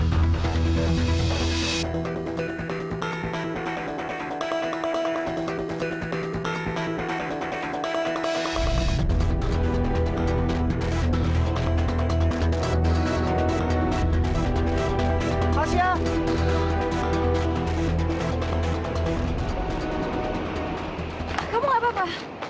kamu gak apa apa